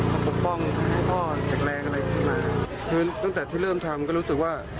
เขาปกป้องพ่อแข็งแรงอะไรขึ้นมาคือตั้งแต่ที่เริ่มทำก็รู้สึกว่า